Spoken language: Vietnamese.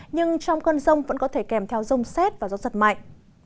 nhưng trong cơn rông vẫn có thể kèm theo rông xét và gió giật mạnh